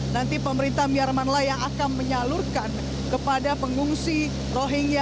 nanti pemerintah myanmar yang akan menyalurkan kepada pengungsi rohingya